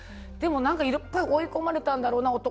でも、やっぱり追い込まれたんだろうな